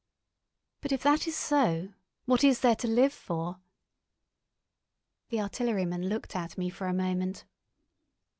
"But if that is so, what is there to live for?" The artilleryman looked at me for a moment.